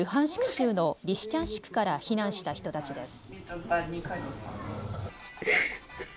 州のリシチャンシクから避難した人たちです。